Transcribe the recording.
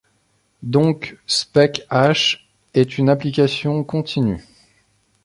Donc Spec h est une application continue.